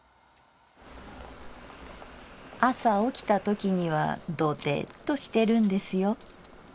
「朝起きたときにはドテッとしてるんですよ。